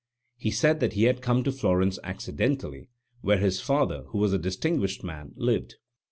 He said that he had come to Florence accidentally, where his father, who was a distinguished man, lived.